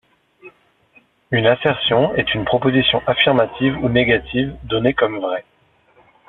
Une assertion est une proposition affirmative ou négative donnée comme vraie.